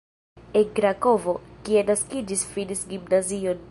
En Krakovo, kie naskiĝis, finis gimnazion.